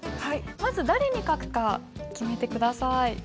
まず誰に書くか決めて下さい。